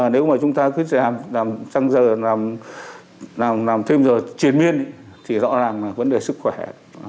nếu mà chúng ta cứ chăng giờ làm thêm rồi triển miên thì rõ ràng là vấn đề sức khỏe